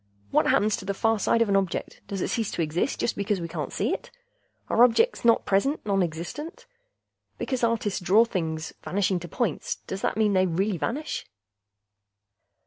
What happens to the far side of an object; does it cease to exist just because we can't see it? Are objects not present nonexistent? Because artists draw things vanishing to points, does that mean that they really vanish?"